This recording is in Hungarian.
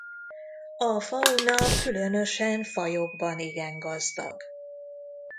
A fauna különösen fajokban igen gazdag.